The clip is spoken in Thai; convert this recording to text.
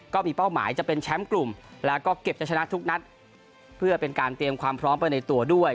ก็มีเป้าหมายจะเป็นแชมป์กลุ่มแล้วก็เก็บจะชนะทุกนัดเพื่อเป็นการเตรียมความพร้อมไปในตัวด้วย